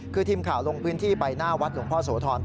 คือทีมข่าวลงพื้นที่ไปหน้าวัดหลวงพ่อโสธร